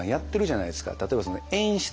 例えば演出。